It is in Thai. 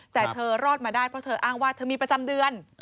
แต่เธอรอดมาได้เพราะเธออ้างว่าเธอมีประจำเดือน